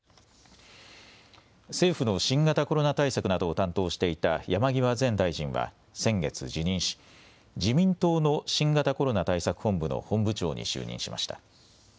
政府の新型コロナ対策などを担当していた山際前大臣は先月、辞任し自民党の新型コロナ対策本部の本部長に就任しました。